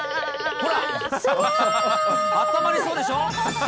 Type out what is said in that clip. ほら、あったまりそうでしょ。